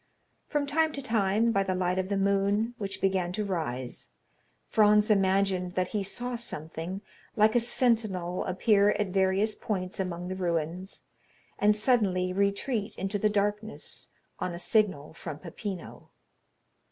From time to time, by the light of the moon, which began to rise, Franz imagined that he saw something like a sentinel appear at various points among the ruins, and suddenly retreat into the darkness on a signal from Peppino.